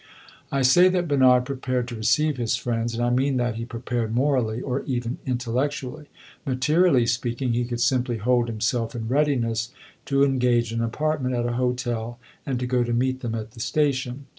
I say that Bernard prepared to receive his friends, and I mean that he prepared morally or even intellectually. Materially speaking, he could simply hold himself in readiness to engage an apartment at a hotel and to go to meet them at the station.